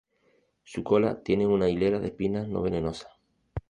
Su cola tiene un hilera de espinas no venenosas.